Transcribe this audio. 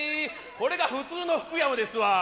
これが普通の福山ですわ